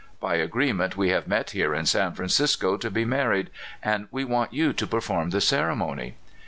*' By agreement we have met here in San Francisco to be married, and we want you to per form the ceremony."